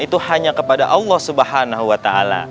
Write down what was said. itu hanya kepada allah swt